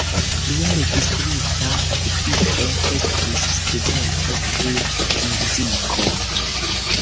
Lia registrita okupiĝo estis "studento pri muziko".